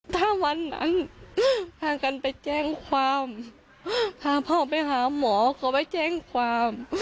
ถ้าวันนั้นพากันไปแจ้งความพาพ่อไปหาหมอเขาไปแจ้งความ